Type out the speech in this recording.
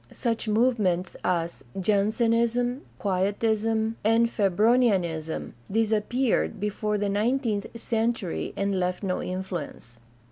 Such movements as Jansenism, Quietism, and Febronianism disappeared before the nineteenth century and left no influence.